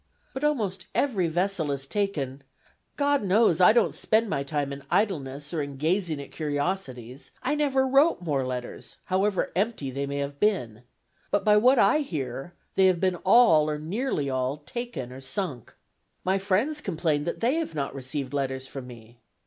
But almost every vessel has been taken. ... God knows I don't spend my time in idleness, or in gazing at curiosities. I never wrote more letters, however empty they may have been. But by what I hear, they have been all, or nearly all, taken or sunk. My friends complain that they have not received letters from me.